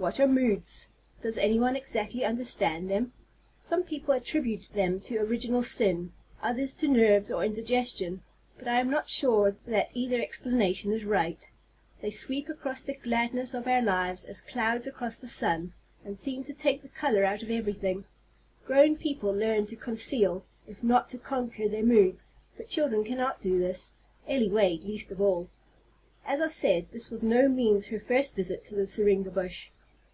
What are moods? Does any one exactly understand them? Some people attribute them to original sin, others to nerves or indigestion; but I am not sure that either explanation is right. They sweep across the gladness of our lives as clouds across the sun, and seem to take the color out of everything. Grown people learn to conceal, if not to conquer, their moods; but children cannot do this, Elly Wade least of all. As I said, this was by no means her first visit to the syringa bush.